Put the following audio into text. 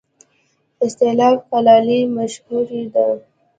استالف کلالي مشهوره ده؟